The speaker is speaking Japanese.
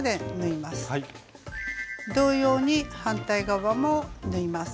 同様に反対側も縫います。